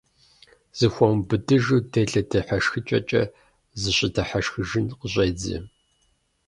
Зыхуэмыубыдыжу делэ дыхьэшхыкӀэкӀэ зыщыдыхьэшхыжын къыщӀедзэ.